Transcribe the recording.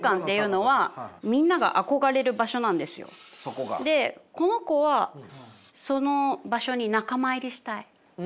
これが私この子はその場所に仲間入りしたい。